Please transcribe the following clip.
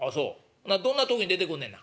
ほなどんな時に出てくんねんな」。